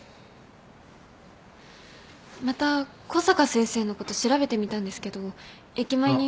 また小坂先生のこと調べてみたんですけど駅前に。